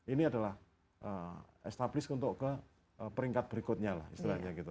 ini adalah established untuk ke peringkat berikutnya lah istilahnya gitu